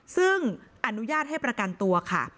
ซึ่งอนุญาตให้ประกันตัวค่ะ